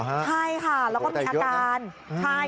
ใช่ค่ะแล้วก็มีอาการใช่